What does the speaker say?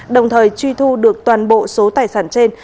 đồng thời truy thu được toàn bộ số tài sản trên